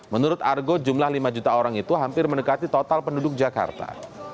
menurut argo jumlah lima juta orang itu hampir mendekati total penduduk jakarta